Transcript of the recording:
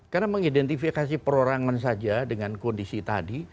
karena mengidentifikasi perorangan saja dengan kondisi tadi